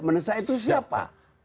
mendesak itu siapa